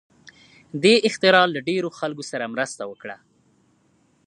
دې اختراع له ډېرو خلکو سره مرسته وکړه.